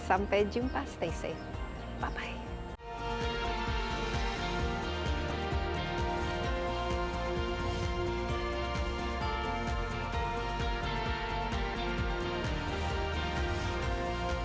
sampai jumpa stay safe